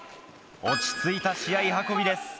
落ち着いた試合運びです。